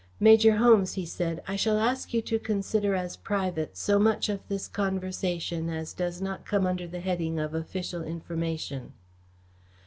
"Major Holmes," he said, "I shall ask you to consider as private so much of this conversation as does not come under the heading of official information."